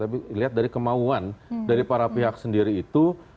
tapi dilihat dari kemauan dari para pihak sendiri itu